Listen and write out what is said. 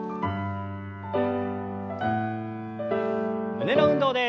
胸の運動です。